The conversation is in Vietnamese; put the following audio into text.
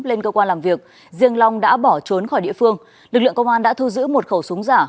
lên cơ quan làm việc riêng long đã bỏ trốn khỏi địa phương lực lượng công an đã thu giữ một khẩu súng giả